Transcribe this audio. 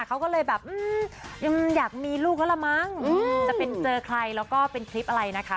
เขาก็เลยแบบยังอยากมีลูกแล้วละมั้งจะเป็นเจอใครแล้วก็เป็นคลิปอะไรนะคะ